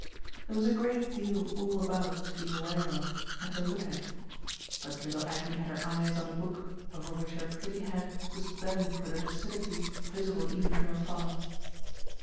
There was a great deal all about to be aware of and to look at, but little Aggie had her eyes on a book over which her pretty head was bent with a docility visible even from afar.